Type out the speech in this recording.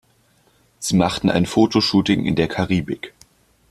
Sie machten ein Fotoshooting in der Karibik.